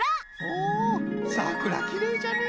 おおさくらきれいじゃね。